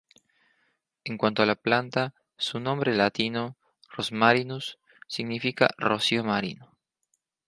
En cuanto a la planta, su nombre latino, "rosmarinus", significa "rocío marino".